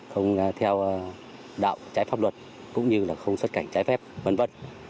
không theo đạo trái pháp luật cũng như là không xuất cảnh trái phép v v